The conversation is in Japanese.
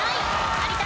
有田